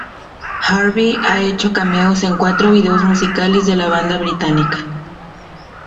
Harvey ha hecho cameos en cuatro vídeos musicales de la banda británica.